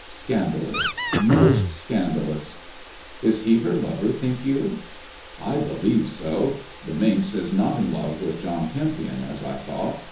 Scanda lous I moBt scandalous I "" Is he her lover, think you 1 "" I believe so ! The minx is not in !ove with John Kempion, as I thought.